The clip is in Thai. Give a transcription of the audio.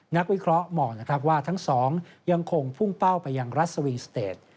นักวิเคราะห์มองนะครับว่าทั้งสองยังคงพุ่งเป้าไปยังรัฐสวีสเตจ